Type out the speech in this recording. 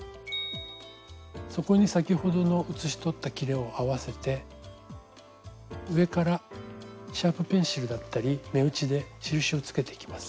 そこに先ほどの写し取ったきれを合わせて上からシャープペンシルだったり目打ちで印をつけていきます。